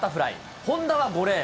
本多は５レーン。